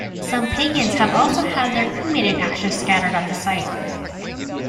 Some Pagans have also had their cremated ashes scattered at the site.